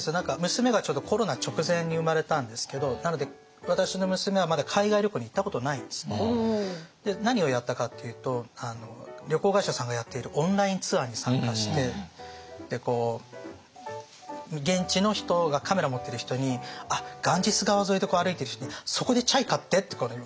娘がちょうどコロナ直前に生まれたんですけどなので私の娘はまだ海外旅行に行ったことないんですね。何をやったかっていうと旅行会社さんがやっているオンラインツアーに参加して現地の人カメラを持ってる人にガンジス川沿いで歩いている人に「そこでチャイ買って」って。